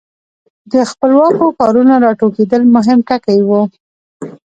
د خپلواکو ښارونو را ټوکېدل مهم ټکي وو.